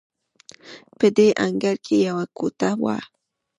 په دې انګړ کې یوه کوټه وه.